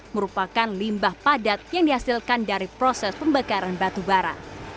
merupakan limbah padat yang dihasilkan dari proses pembakaran batubara